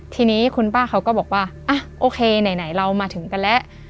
ทีนี้คุณป้าเขาก็บอกว่าอ่ะโอเคไหนเรามาถึงกันแล้ว